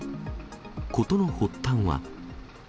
事の発端は。